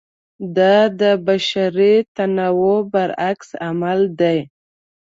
دا د بشري تنوع برعکس عمل دی.